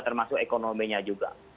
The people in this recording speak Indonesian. termasuk ekonominya juga